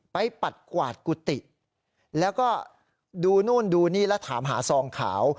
ปัดกวาดกุฏิแล้วก็ดูนู่นดูนี่แล้วถามหาซองขาว